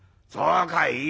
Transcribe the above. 「そうかい。